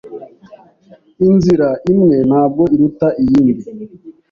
Inzira imwe ntabwo iruta iyindi.